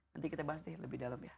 nanti kita bahas nih lebih dalam ya